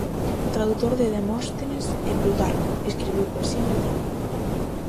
Tradutor de Demóstenes e Plutarco, escribiu poesía en latín.